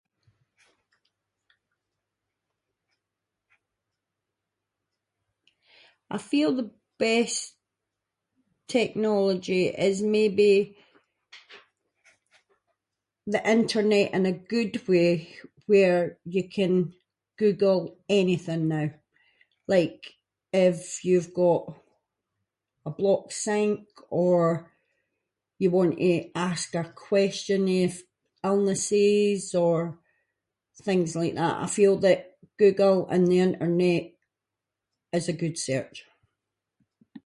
I feel the best technology is maybe- the internet in a good way, where you can google anything now, like if you’ve got a blocked sink, or you want to ask a question of illnesses or things like that, I feel that Google and the internet is a good search.